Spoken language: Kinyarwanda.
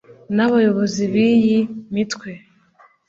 n’abayobozi b’iyi mitwe